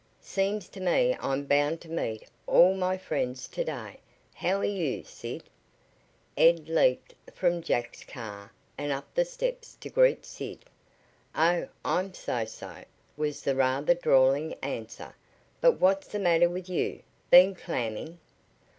"Seems to me I'm bound to meet all my friends to day. How are you, Sid?" Ed leaped from Jack's car and up the steps to greet Sid. "Oh, I'm so so," was the rather drawling answer. "But what's the matter with you? Been clamming?"